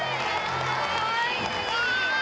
かわいい！